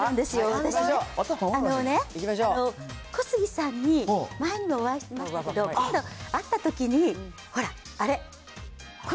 私ね、小杉さんに、前にもお会いしましたけど、会ったときに、ほら、あれ。